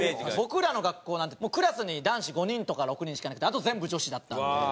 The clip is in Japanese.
僕らの学校なんてクラスに男子５人とか６人しかいなくてあと全部女子だったんで。